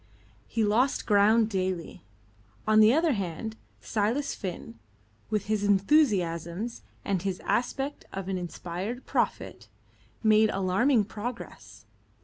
He lost ground daily. On the other hand, Silas Finn, with his enthusiasms, and his aspect of an inspired prophet, made alarming progress.